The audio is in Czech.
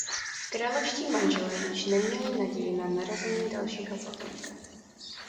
Královští manželé již neměli naději na narození dalšího potomka.